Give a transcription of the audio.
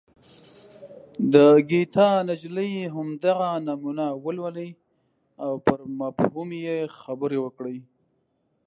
د ګیتا نجلي همدغه نمونه ولولئ او پر مفهوم یې خبرې وکړئ.